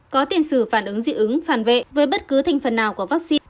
có tiền sử phản ứng dị ứng phản vệ với bất cứ thành phần nào của vaccine